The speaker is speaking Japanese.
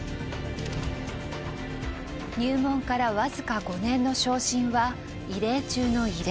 入門から僅か５年の昇進は異例中の異例。